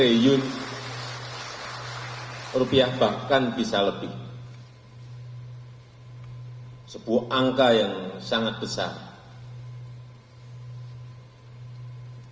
yang tentu ini akan menjadi sebuah kesempatan ekonomi baru yang berkelanjutan dan ramah lingkungan sejalan dengan arah dunia yang sedang menuju kepada ekonomi hijau